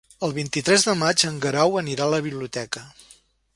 El vint-i-tres de maig en Guerau anirà a la biblioteca.